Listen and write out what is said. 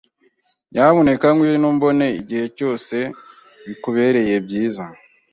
Nyamuneka ngwino umbone igihe cyose bikubereye byiza.